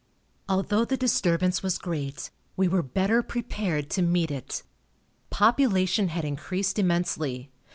Although the disturbance was great, we were better prepared to meet it. Population had increased immensely.